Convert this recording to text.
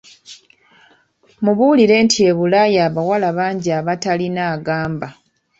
Mubuulire nti e Bulaya abawala bangi abatalina agamba.